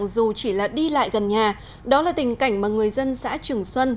dù chỉ là đi lại gần nhà đó là tình cảnh mà người dân xã trường xuân